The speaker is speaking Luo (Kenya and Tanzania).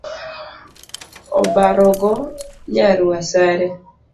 Obarogo nyar wasare